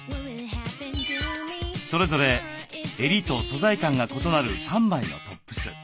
それぞれ襟と素材感が異なる３枚のトップス。